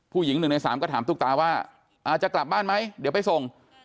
ผู้หญิง๑ใน๓ก็ถามตุ๊กตาว่าจะกลับบ้านไหมเดี๋ยวไปส่ง